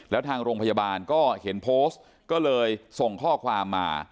แล้วทางโรงพยาบาลก็เห็นโพสต์ก็เลยส่งข้อความมา